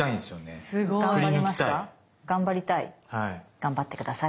頑張って下さい。